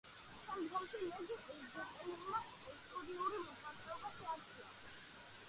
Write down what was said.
შემდგომში ლედ ზეპელინმა სტუდიური მოღვაწეობა შეაჩერა.